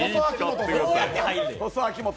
どうやって入るねん。